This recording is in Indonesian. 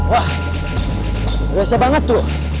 wah biasa banget tuh